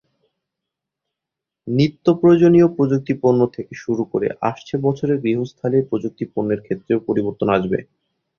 নিত্যপ্রয়োজনীয় প্রযুক্তিপণ্য থেকে শুরু করে আসছে বছরে গৃহস্থালির প্রযুক্তিপণ্যের ক্ষেত্রেও পরিবর্তন আসবে।